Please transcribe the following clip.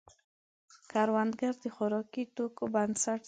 کروندګر د خوراکي توکو بنسټ دی